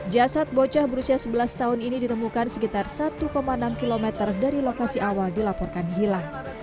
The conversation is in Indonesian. jasad bocah berusia sebelas tahun ini ditemukan sekitar satu enam km dari lokasi awal dilaporkan hilang